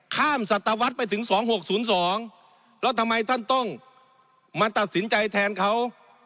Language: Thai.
สัตวรรษไปถึง๒๖๐๒แล้วทำไมท่านต้องมาตัดสินใจแทนเขา